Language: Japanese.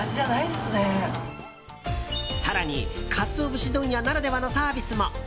更に、カツオ節問屋ならではのサービスも。